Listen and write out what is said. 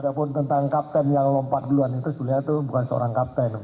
ada pun tentang kapten yang lompat duluan itu sebenarnya itu bukan seorang kapten